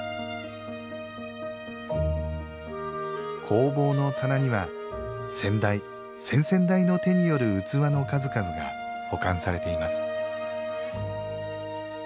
工房の棚には先代、先々代の手による器の数々が保管されています。